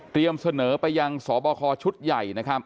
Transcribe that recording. เตรียมเสนอไปยังสอบคชุดใหญ่